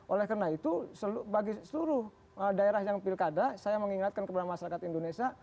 oleh karena itu bagi seluruh daerah yang pilkada saya mengingatkan kepada masyarakat indonesia